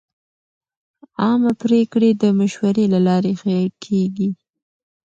عامه پریکړې د مشورې له لارې ښه کېږي.